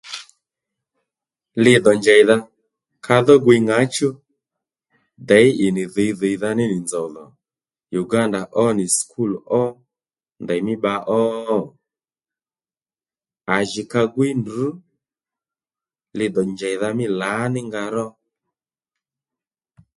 Li dò njèydha ka dho gwiy ŋǎchú děy ì nì dhǐy dhìydha ní nì nzòw dhò Uganda ó nì sùkúl ó ndèymí bba ó? À jì ka gwíy ndrǔ li dò njèydha mí lǎní nga ró